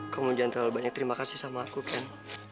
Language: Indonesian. kamu jangan terlalu banyak terima kasih sama aku kan